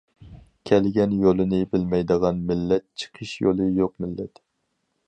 كەلگەن يولىنى بىلمەيدىغان مىللەت چىقىش يولى يوق مىللەت.